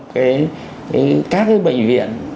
cái các cái bệnh viện